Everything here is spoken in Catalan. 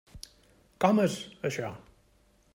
Com és, això?